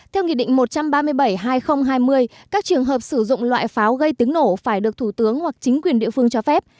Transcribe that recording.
theo nghị định một trăm ba mươi bảy hai nghìn hai mươi các trường hợp sử dụng loại pháo gây tiếng nổ phải được thủ tướng hoặc chính quyền địa phương cho phép